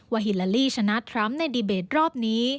ฮิลาลีชนะทรัมป์ในดีเบตรอบนี้